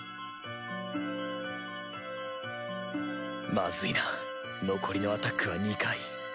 マズいな残りのアタックは２回。